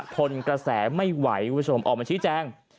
ทนกระแสไม่ไหวออกมาชี้แจ้ง